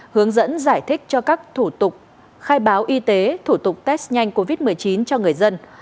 hướng dẫn giải thích cho các thủ tục khai báo y tế thủ tục test nhanh covid một mươi chín cho người dân